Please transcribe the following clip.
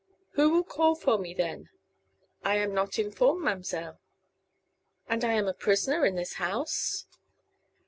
"Who will call for me, then?" "I am not inform, ma'm'selle." "And I am a prisoner in this house?"